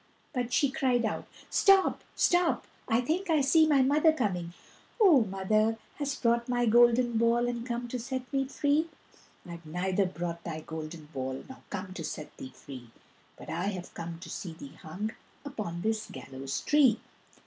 But she cried out: "Stop, stop, I think I see my mother coming! O mother, hast brought my golden ball And come to set me free?" "I've neither brought thy golden ball Nor come to set thee free, But I have come to see thee hung Upon this gallows tree."